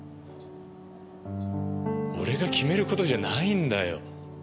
俺が決める事じゃないんだよ。